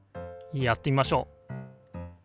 やってみましょう。